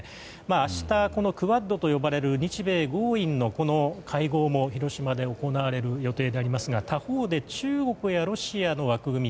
明日、クアッドと呼ばれる日米豪印の会談が広島で行われる予定でありますが他方で、中国やロシアの枠組み